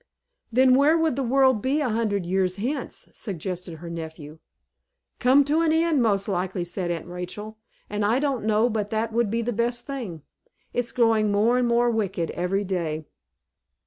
"Then where would the world be a hundred years hence?" suggested her nephew. "Come to an end, most likely," said Aunt Rachel; "and I don't know but that would be the best thing. It's growing more and more wicked every day."